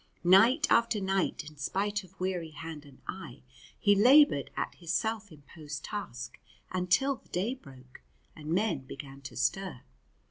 Night after night, in spite of weary hand and eye, he laboured at his self imposed task until the day broke, and men began to stir.